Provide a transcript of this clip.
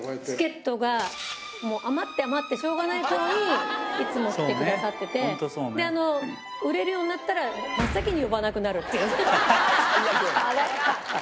チケットが、もう余って余ってしょうがないころに、いつも来てくださってて、で、売れるようになったら、真っ先に呼ばなくなるっていう。